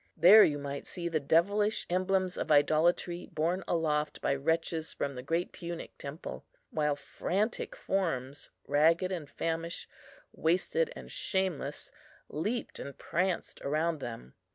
There you might see the devilish emblems of idolatry borne aloft by wretches from the great Punic Temple, while frantic forms, ragged and famished, wasted and shameless, leapt and pranced around them.